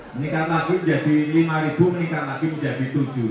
meningkat lagi menjadi lima meningkat lagi menjadi tujuh